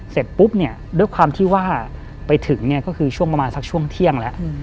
เสร็จปุ๊บด้วยความที่ว่าไปถึงก็คือประมาณสักช่วงเที่ยงแล้ว